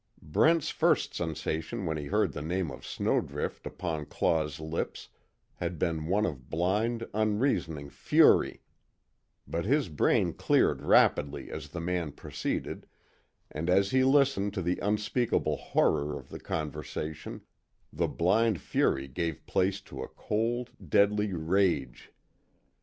Brent's first sensation when he heard the name of Snowdrift upon Claw's lips had been one of blind, unreasoning fury, but his brain cleared rapidly as the man proceeded, and as he listened to the unspeakable horror of the conversation, the blind fury gave place to a cold, deadly rage.